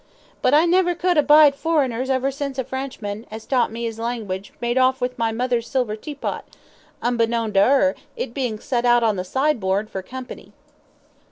But I never could abide furreigners ever since a Frenchman, as taught me 'is language, made orf with my mother's silver tea pot, unbeknown to 'er, it bein' set out on the sideboard for company."